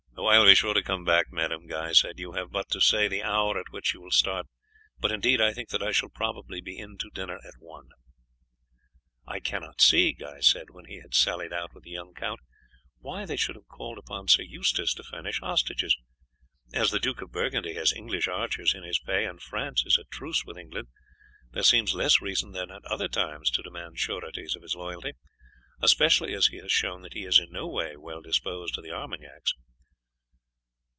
"I will be sure to come back, madam," Guy said. "You have but to say the hour at which you will start; but indeed I think that I shall probably be in to dinner at one." "I cannot see," Guy said, when he had sallied out with the young count, "why they should have called upon Sir Eustace to furnish hostages. As the Duke of Burgundy has English archers in his pay, and France is at truce with England, there seems less reason than at other times to demand sureties of his loyalty, especially as he has shown that he is in no way well disposed to the Armagnacs."